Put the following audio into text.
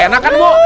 enak kan bu